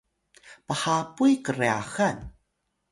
phapuy kryaxan